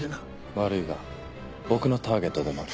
悪いが僕のターゲットでもある。